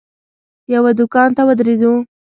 یوه دوکان ته ودرېدو.